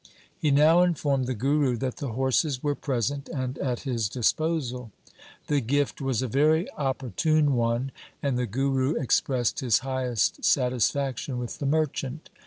He now informed the Guru that the horses were present and at his disposal. The gift was a very opportune one, and the Guru expressed his highest satisfaction with the merchant.